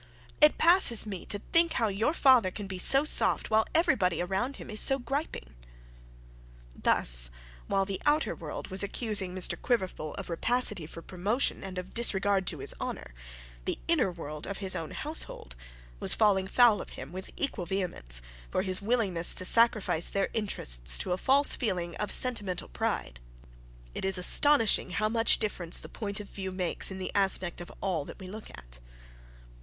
It passes me to think how your father can be so soft, while everybody around him is so griping.' This, while the rest of the world was accusing Mr Quiverful of rapacity for promotion and disregard for his honour, the inner world of his own household was falling foul of him, with equal vehemence, for his willingness to sacrifice their interest to a false feeling of sentimental pride. It is astonishing how much difference the point of view makes in the aspect of all that we look at!